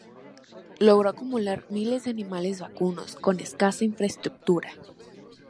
Logró acumular miles de animales vacunos con escasa infraestructura.